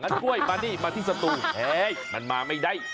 งั้นกล้วยมาที่สตูมันมาไม่ได้